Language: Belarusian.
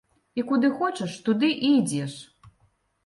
І куды хочаш, туды і ідзеш!